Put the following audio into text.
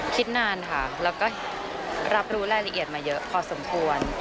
คิดนานค่ะแล้วก็รับรู้รายละเอียดมาเยอะพอสมควร